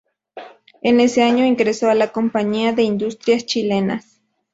En ese año ingresó en la Compañía de Industrias Chilenas.